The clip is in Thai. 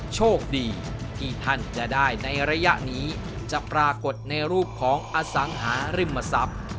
โชคดีที่ท่านจะได้ในระยะนี้จะปรากฏในรูปของอสังหาริมทรัพย์